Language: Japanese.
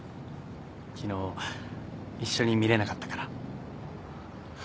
昨日一緒に見れなかったから。